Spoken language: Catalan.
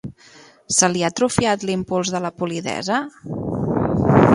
Se li ha atrofiat l'impuls de la polidesa?